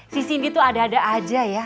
si cindy tuh ada ada aja ya